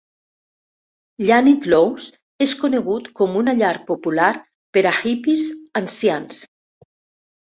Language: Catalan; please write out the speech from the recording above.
Llanidloes és conegut com una llar popular per a hippies ancians